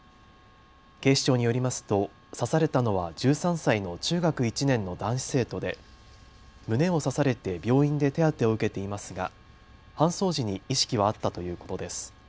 警視庁によりますと刺されたのは１３歳の中学１年の男子生徒で胸を刺されて病院で手当てを受けていますが搬送時に意識はあったということです。